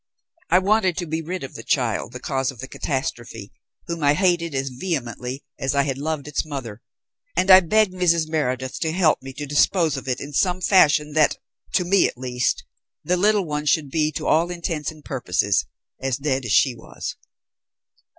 I wanted to be rid of the child, the cause of the catastrophe, whom I hated as vehemently as I had loved its mother, and I begged Mrs. Meredith to help me to dispose of it in such a fashion that, to me at least, the little one should be to all intents and purposes as dead as she was.